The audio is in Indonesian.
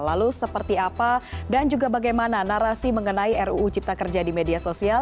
lalu seperti apa dan juga bagaimana narasi mengenai ruu cipta kerja di media sosial